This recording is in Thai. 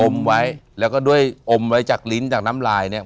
อมไว้แล้วก็ด้วยอมไว้จากลิ้นจากน้ำลายเนี่ย